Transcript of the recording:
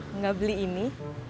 enggak beli ini